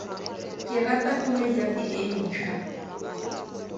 Ke rata koloi ya me e ntšhwa.